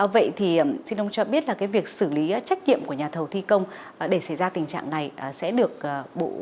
vậy thì xin ông cho biết là cái việc xử lý trách nhiệm của nhà thầu thi công để xảy ra tình trạng này sẽ được bộ